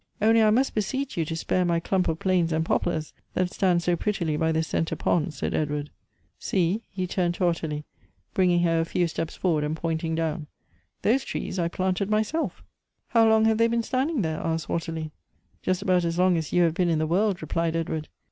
" Only I must beseech you to spare my clump of planes and poplars that stand so prettily by the centre pond," said Edward. " See," — he turned to Ottilie, bringing her a few steps forward, and pointing down, ^" those trees I planted myself" " How long have they been standing there ?" asked Ottilie. "Just about as long as you have b^pn in the world," replied Edward.